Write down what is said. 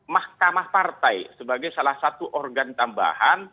mahkamah partai sebagai salah satu organ tambahan